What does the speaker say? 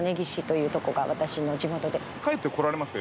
帰ってこられますか？